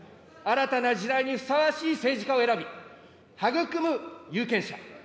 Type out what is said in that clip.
新たな時代にふさわしい政治家を選び、育む有権者。